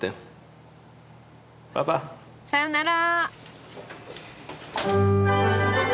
さよなら。